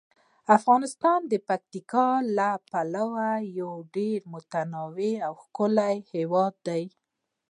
افغانستان د پکتیکا له پلوه یو ډیر متنوع او ښکلی هیواد دی.